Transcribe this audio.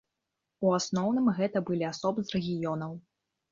У асноўным гэта былі асобы з рэгіёнаў.